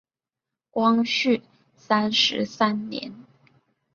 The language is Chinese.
光绪三十三年。